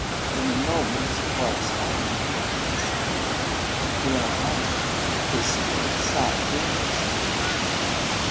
"The moments correspond," he said. "You are right; his spirit sought yours."